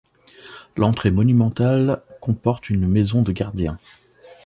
L'entrée monumentale comporte une maison de gardien.